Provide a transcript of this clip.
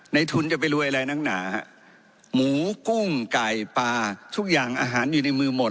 ทุนจะไปรวยอะไรนักหนาฮะหมูกุ้งไก่ปลาทุกอย่างอาหารอยู่ในมือหมด